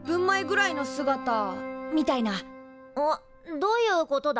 どういうことだ？